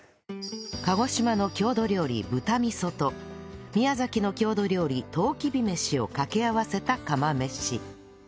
鹿児島の郷土料理豚味噌と宮崎の郷土料理とうきびめしを掛け合わせた釜飯